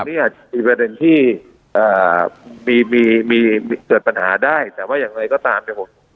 อันนี้อาจจะมีประเด็นที่มีเกิดปัญหาได้แต่ว่าอย่างไรก็ตามเนี่ยผม